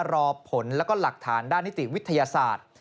รอผลแล้วก็หลักฐานด้านนิติวิทยาศาสตร์